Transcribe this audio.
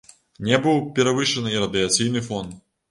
Не быў перавышаны і радыяцыйны фон.